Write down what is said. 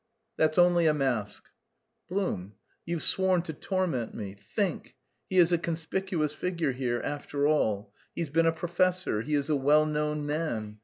"That's only a mask." "Blum, you've sworn to torment me! Think! he is a conspicuous figure here, after all. He's been a professor, he is a well known man.